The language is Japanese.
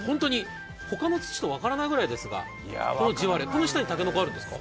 他の土と分からないくらいですがこの地割れ、この下にたけのこ、あるんですか。